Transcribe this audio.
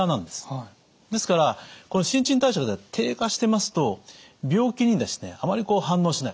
ですから新陳代謝が低下してますと病気にあまり反応しない。